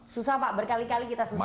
susah pak berkali kali kita susah